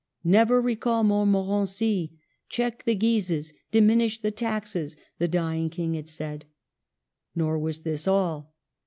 "Never recall Montmorency, check the Guises, diminish the taxes," the dying King had said. Nor was this all.